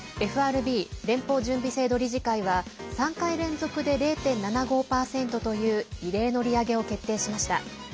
ＦＲＢ＝連邦準備制度理事会は３回連続で０．７５％という異例の利上げを決定しました。